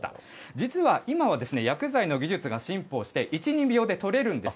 実は、今は薬剤の技術が進歩して、１、２秒で撮れるんです。